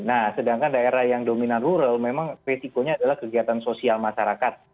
nah sedangkan daerah yang dominan rural memang risikonya adalah kegiatan sosial masyarakat